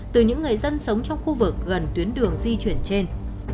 từ những người dân sống trong khu vực gần tuyến đường di chuyển trên